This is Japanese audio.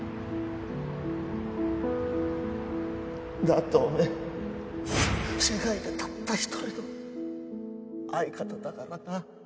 だっておめえ世界でたった一人の相方だからな。